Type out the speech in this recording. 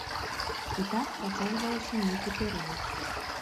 І так працягвалася нейкі перыяд.